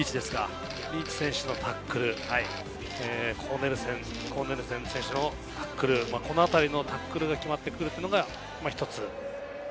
リーチ選手のタックル、コーネルセン選手のタックル、このあたりのタックルが決まってくるのが１つ。